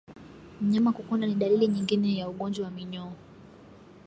Mnyama kukonda ni dalili nyingine ya ugonjwa wa minyoo